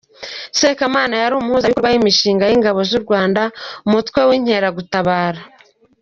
Sekamana yari Umuhuzabikorwa w’Imishinga y’Ingabo z’u Rwanda, Umutwe w’Inkeragutabara.